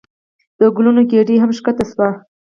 د ګلونو ګېډۍ هم ښکته شوې.